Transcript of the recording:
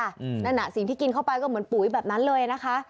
นั่นน่ะสิ่งที่กินเข้าไปก็เหมือนปุ๋ยแบบนั้นเลยนะคะ